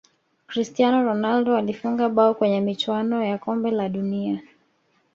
cristiano ronaldo alifunga bao kwenye michuano ya kombe la dunia